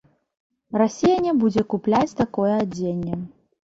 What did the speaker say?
Расія не будзе купляць такое адзенне.